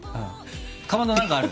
かまど何かある？